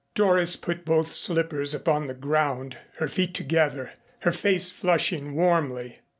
Doris put both slippers upon the ground, her feet together, her face flushing warmly.